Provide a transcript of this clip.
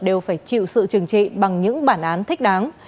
đều phải chịu sự trừng trị bằng những bản án thích đáng